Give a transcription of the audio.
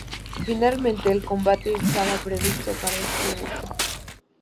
Finalmente, el combate estaba previsto para este evento.